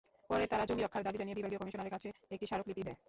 পরে তারা জমি রক্ষার দাবি জানিয়ে বিভাগীয় কমিশনারের কাছে একটি স্মারকলিপি দেয়।